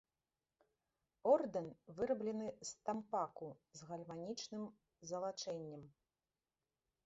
Ордэн выраблены з тампаку з гальванічным залачэннем.